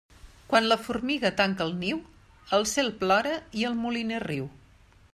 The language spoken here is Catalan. Quan la formiga tanca el niu, el cel plora i el moliner riu.